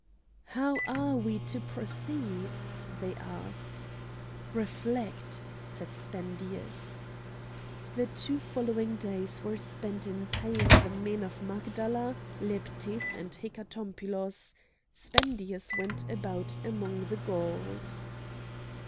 "How are we to proceed?" they asked. "Reflect!" said Spendius. The two following days were spent in paying the men of Magdala, Leptis, and Hecatompylos; Spendius went about among the Gauls.